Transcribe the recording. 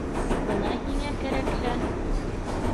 Бына һиңә кәрәкһә